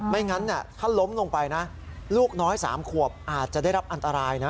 ไม่งั้นถ้าล้มลงไปนะลูกน้อย๓ขวบอาจจะได้รับอันตรายนะ